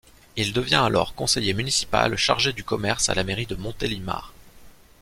Il devient alors conseiller municipal chargé du commerce à la mairie de Montélimar.